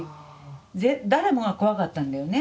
誰もが怖かったんだよね。